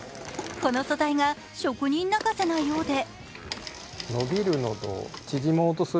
この素材が職人泣かせのようで。